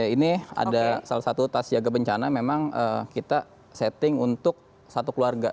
ini ada salah satu tas jaga bencana memang kita setting untuk satu keluarga